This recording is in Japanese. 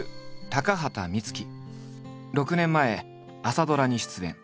６年前朝ドラに出演。